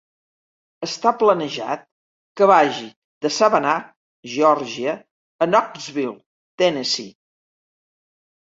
Està planejat que vagi de Savannah, Georgia, a Knoxville, Tennessee.